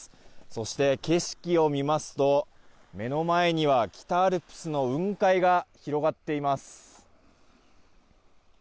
そして、景色を見ますと目の前には北アルプスの雲海が広がっています。